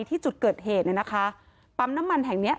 ที่จุดเกิดเหตุเนี่ยนะคะปั๊มน้ำมันแห่งเนี้ย